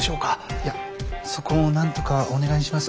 いやそこをなんとかお願いします。